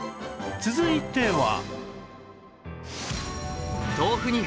続いては